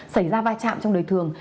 xảy ra vai trạm trong đời thường